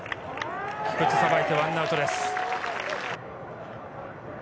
菊池、さばいて１アウトです。